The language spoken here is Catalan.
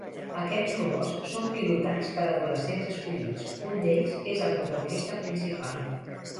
Aquests robots són pilotats per adolescents escollits; un d'ells és el protagonista principal.